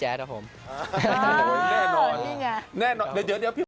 แน่นอนแน่นอนเดี๋ยวเดี๋ยวพี่พล